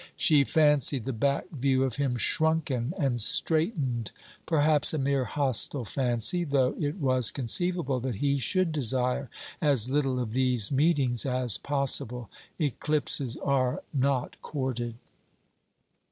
She fancied the back view of him shrunken and straitened: perhaps a mere hostile fancy: though it was conceivable that he should desire as little of these meetings as possible. Eclipses are not courted.